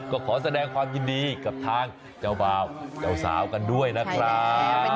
ก็ขอแสดงความยินดีกับทางเจ้าบ่าวเจ้าสาวกันด้วยนะครับ